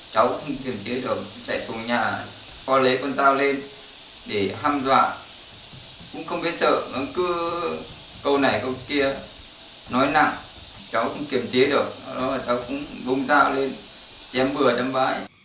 cháu cũng kiểm trí được cháu cũng vông dao lên chém vừa đâm vãi